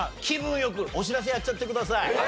気分良くお知らせやっちゃってください。